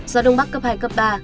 gió đông bắc cấp hai cấp ba